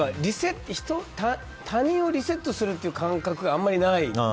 他人をリセットするっていう感覚はあまりない。